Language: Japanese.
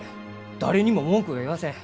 誰にも文句は言わせん。